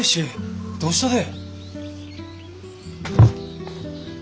どうしたでえ？